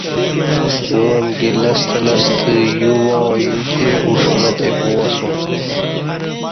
اُݩڅ امکی لستہ لستہ یوواں یوتی اُݜمہ تی گُواسُوم